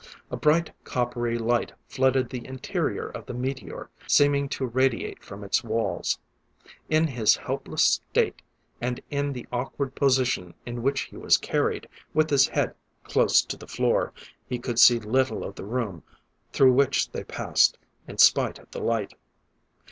A bright, coppery light flooded the interior of the meteor, seeming to radiate from its walls. In his helpless state, and in the awkward position in which he was carried, with his head close to the floor, he could see little of the room through which they passed, in spite of the light.